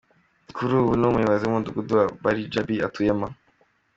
Kuri ubu ni umuyobozi w’umudugudu wa Barija B atuyemo.